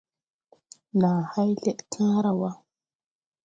Nàa hay leɗ kããra wà.